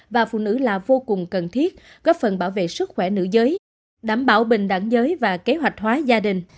và phụ nữ là vô cùng cần thiết góp phần bảo vệ sức khỏe nữ giới đảm bảo bình đẳng giới và kế hoạch hóa gia đình